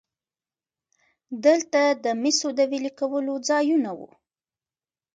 دلته د مسو د ویلې کولو ځایونه وو